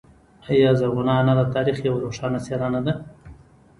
آیا زرغونه انا د تاریخ یوه روښانه څیره نه ده؟